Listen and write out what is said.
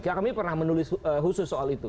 ya kami pernah menulis khusus soal itu